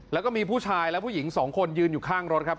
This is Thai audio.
แล้วก็มีผู้ชายและผู้หญิงสองคนยืนอยู่ข้างรถครับ